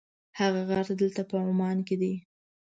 هغه غار دلته په عمان کې دی.